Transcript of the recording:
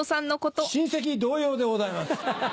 親戚同様でございます。